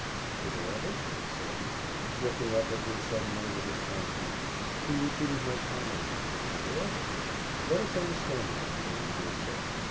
"Aware of it?" said he, looking up at me suddenly with astonishment: he repeated more calmly, "Aware of it? Let us understand one another, my dear sir."